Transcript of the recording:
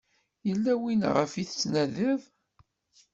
Yella win ɣef i tettnadiḍ?